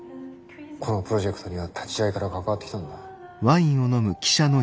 このプロジェクトには立ち上げから関わってきたんだ。